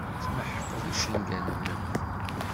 Tmeḥqeḍ icenga-nnem.